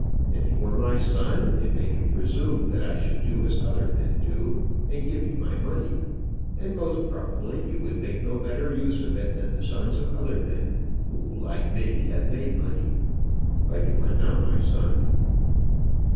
If you were my son, it may be presumed that I should do as other men do, and give you my money. And, most probably, you would make no better use of it than the sons of other men who, like me, have made money. But you are not my son."